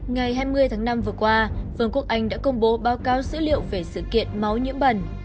ngày hai mươi tháng năm vừa qua vương quốc anh đã công bố báo cáo dữ liệu về sự kiện máu nhiễm bẩn